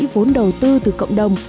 vốn đầu tư từ cộng đồng